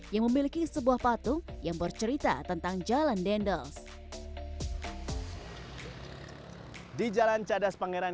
yang memiliki sebuah patung yang bercerita tentang jalan dendels di jalan cadas pangeran